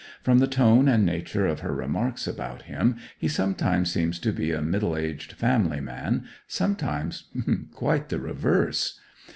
From the tone and nature of her remarks about him he sometimes seems to be a middle aged family man, sometimes quite the reverse.